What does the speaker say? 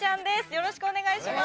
よろしくお願いします